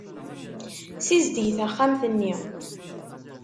Sizdeg taxxamt-nni.